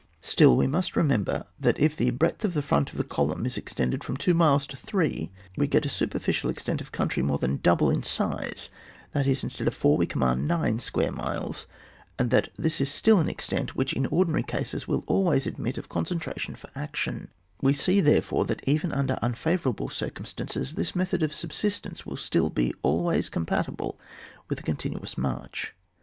Still, we must remember that if the breadth of the front of a column is extended from two miles to three, we get a superficial ex tent of country more than double in size, that is, instead of four we command nine square miles, and that this is still an extent which in ordinary cases will always admit of concentration for action ; we see therefore that even under un favourable circumstances this method of subsistence will still be always com patible with a continuous march.